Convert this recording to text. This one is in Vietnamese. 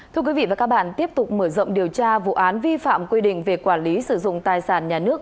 thưa quý vị và các bạn tiếp tục mở rộng điều tra vụ án vi phạm quy định về quản lý sử dụng tài sản nhà nước